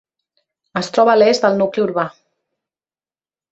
Es troba a l'est del nucli urbà.